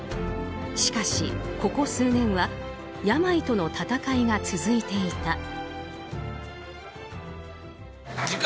しかし、ここ数年は病との闘いが続いていた。